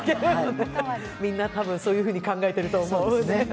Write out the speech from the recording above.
みんな多分、そういうふうに考えてると思う。